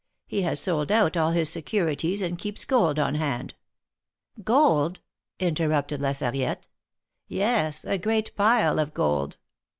He has sold out all his securities and keeps gold on hand." Gold ?" interrupted La Sarriette. Yes, a great pile of gold.